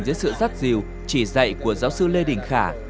dưới sự rắc rìu chỉ dạy của giáo sư lê đình khả